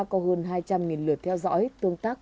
có hơn hai trăm linh lượt theo dõi tương tác